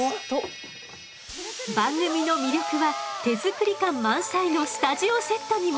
番組の魅力は手作り感満載のスタジオセットにも。